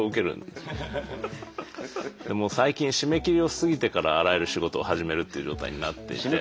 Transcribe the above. でもう最近締め切りを過ぎてからあらゆる仕事を始めるっていう状態になっていて。